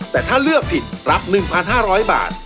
แต่ถ้าเลือกผิดรับ๑๕๐๐บาท